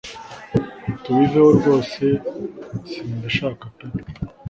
tubiveho rwose simbishaka pee?."